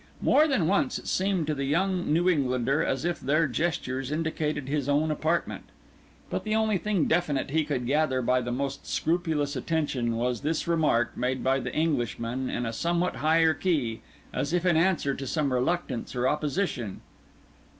More than once it seemed to the young New Englander as if their gestures indicated his own apartment; but the only thing definite he could gather by the most scrupulous attention was this remark made by the Englishman in a somewhat higher key, as if in answer to some reluctance or opposition.